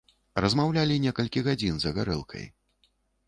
Размаўлялі некалькі гадзін за гарэлкай.